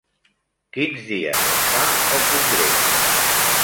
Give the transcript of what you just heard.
Quins dies es fa el congrés?